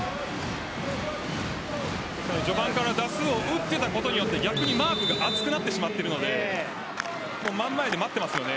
序盤から打数を打っていたことによって逆にマークが厚くなってしまっているのでまん前で待っていますよね。